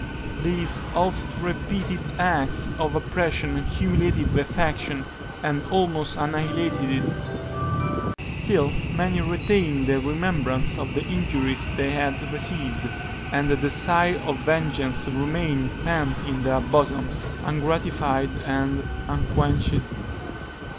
These oft repeated acts of oppression humiliated the faction, and almost annihilated it. Still, many retained the remembrance of the injuries they had received, and a desire of vengeance remained pent in their bosoms, ungratified and unquenched.